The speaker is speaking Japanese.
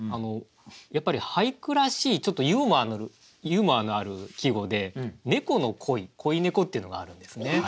やっぱり俳句らしいちょっとユーモアのある季語で「猫の恋」「恋猫」っていうのがあるんですね。